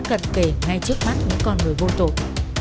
thời khắc ấy sự nguy hiểm đã gần kể ngay trước mắt những con người vô tội